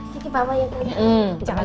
kiki bawain tante